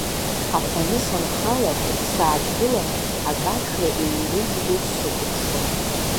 Ахәаны санхала ԥыҭк сааҭгылан, акаршәра еиужь ду сықәыԥшуан.